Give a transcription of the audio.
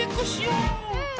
うん！